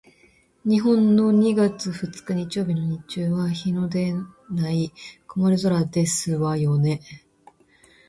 日本の二月二日日曜日の日中は日のでない曇り空ですわよね？